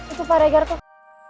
itu pak regar tuh